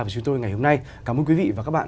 với chúng tôi ngày hôm nay cảm ơn quý vị và các bạn